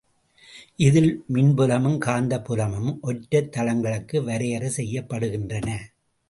இதில் மின்புலமும் காந்தப் புலமும் ஒற்றைத் தளங்களுக்கு வரையறை செய்யப்படுகின்றன.